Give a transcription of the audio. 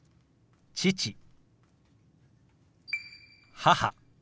「母」。